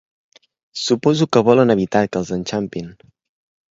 Suposo que volen evitar que els enxampin.